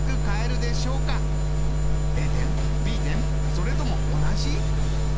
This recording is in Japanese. それとも同じ？